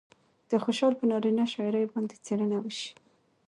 د خوشال پر نارينه شاعرۍ باندې څېړنه وشي